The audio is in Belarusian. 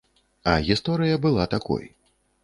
А гісторыя была такой.